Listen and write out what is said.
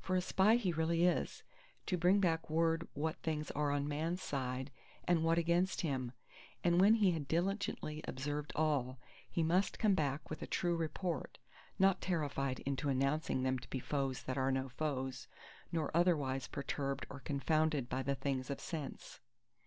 For a Spy he really is—to bring back word what things are on Man's side, and what against him. And when he had diligently observed all, he must come back with a true report, not terrified into announcing them to be foes that are no foes, nor otherwise perturbed or confounded by the things of sense.